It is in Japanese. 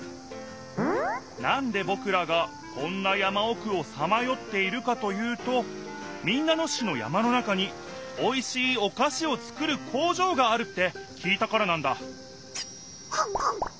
なんでぼくらがこんな山おくをさまよっているかというと民奈野市の山の中においしいおかしをつくる工場があるって聞いたからなんだクンクン。